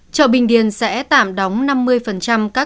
chợ bình điền sẽ tạm đóng năm mươi các